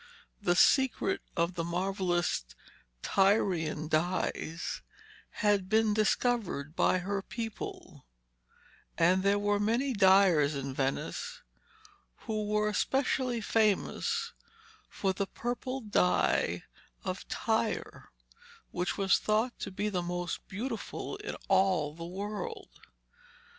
The secret of the marvellous Tyrian dyes had been discovered by her people, and there were many dyers in Venice who were specially famous for the purple dye of Tyre, which was thought to be the most beautiful in all the world.